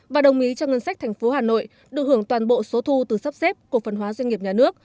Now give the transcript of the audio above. và đồng ý cho ngân sách thành phố hà nội được hưởng toàn bộ số thu từ sắp xếp cổ phần hóa doanh nghiệp nhà nước